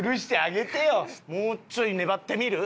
もうちょい粘ってみる？